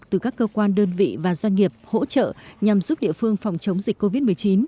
từ các cơ quan đơn vị và doanh nghiệp hỗ trợ nhằm giúp địa phương phòng chống dịch covid một mươi chín